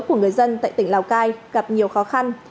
của người dân tại tỉnh lào cai gặp nhiều khó khăn